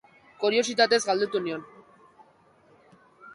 Koriositatez galdetu nion.